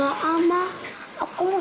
aku panasin aja sup ini